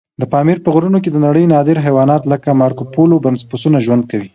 د پامیر په غرونو کې د نړۍ نادر حیوانات لکه مارکوپولو پسونه ژوند کوي.